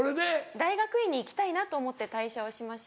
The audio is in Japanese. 大学院に行きたいなと思って退社をしまして。